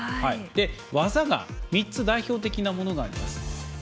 技が３つ代表的なものがあります。